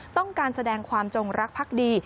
ต้องการแสดงความจงรักพักดี